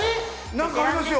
◆何かありますよ。